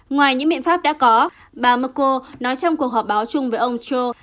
ngoài những biện pháp đã có bà merkel nói trong cuộc họp báo chung với ông joe